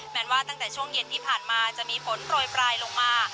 ว่าตั้งแต่ช่วงเย็นที่ผ่านมาจะมีฝนโปรยปลายลงมา